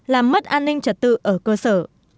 làm mất an ninh trật tự ở cơ sở